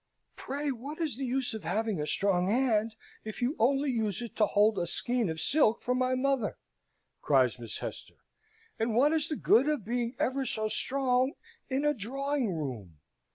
"Pray what is the use of having a strong hand if you only use it to hold a skein of silk for my mother?" cries Miss Hester; "and what is the good of being ever so strong in a drawing room?